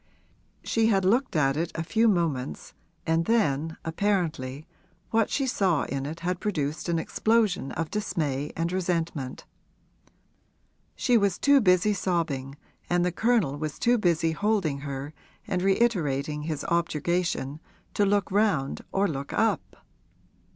She had looked at it a few moments and then apparently what she saw in it had produced an explosion of dismay and resentment. She was too busy sobbing and the Colonel was too busy holding her and reiterating his objurgation, to look round or look up.